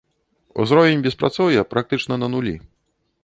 Узровень беспрацоўя практычна на нулі.